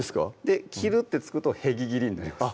「切る」って付くと「へぎ切り」になります